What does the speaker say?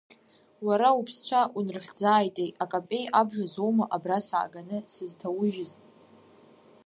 Уара уԥсцәа унрыхьӡааитеи, акапеи абжа азоума абра сааганы сызҭаужьыз?